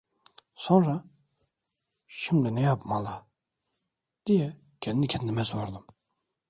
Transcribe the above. Sonra, "Şimdi ne yapmalı?" diye kendi kendime sordum.